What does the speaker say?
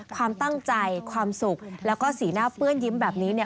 ความตั้งใจความสุขแล้วก็สีหน้าเปื้อนยิ้มแบบนี้เนี่ย